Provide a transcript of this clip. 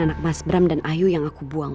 anak mas bram dan ayu yang aku buang